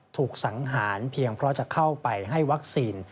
ถูกสังหารเพียงเพราะจะเข้าไปให้วัคซีน